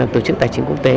tổ chức tài chính quốc tế